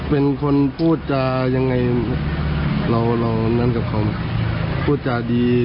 เป็นคนพูดจะยังไงพูดจะดี